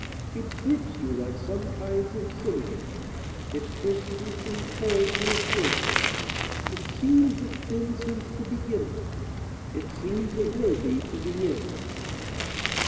It grips you like some kinds of sinning; It twists you from foe to a friend; It seems it's been since the beginning; It seems it will be to the end.